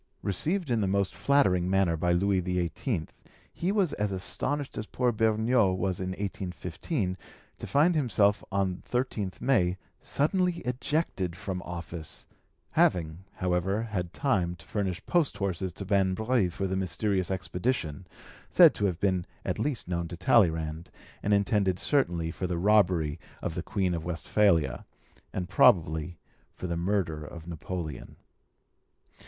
Received in the most flattering manner by Louis XVIII, he was as astonished as poor Beugnot was in 1815, to find himself on 13th May suddenly ejected from office, having, however, had time to furnish post horses to Manbreuil for the mysterious expedition, said to have been at least known to Talleyrand, and intended certainly for the robbery of the Queen of Westphalia, and probably for the murder of Napoleon.